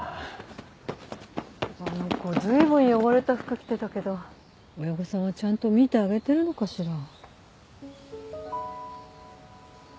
あの子随分汚れた服着てたけど親御さんはちゃんと見てあげてるのかしら？